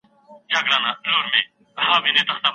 څېړنه په ساده ژبه وړاندي کړئ.